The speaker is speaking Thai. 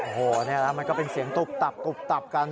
โอ้โหนี่แล้วมันก็เป็นเสียงตุ๊บตับตุบตับกัน